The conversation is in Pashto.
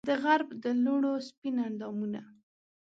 دغرب د لوڼو سپین اندامونه